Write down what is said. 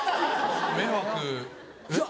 迷惑えっ？